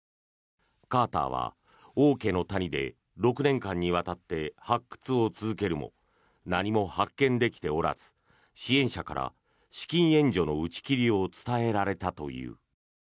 カーターは王家の谷で６年間にわたって発掘を続けるも何も発見できておらず支援者から資金援助の打ち切りを伝えられたという。